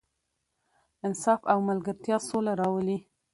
انصاف او ملګرتیا سوله راولي.